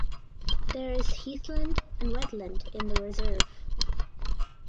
There is heathland and wetland in the reserve.